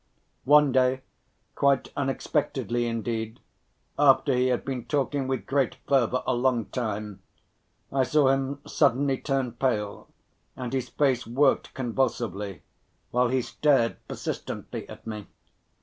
One day, quite unexpectedly indeed, after he had been talking with great fervor a long time, I saw him suddenly turn pale, and his face worked convulsively, while he stared persistently at me.